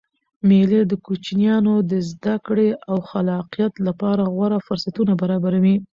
مېلې د کوچنيانو د زدکړي او خلاقیت له پاره غوره فرصتونه برابروي.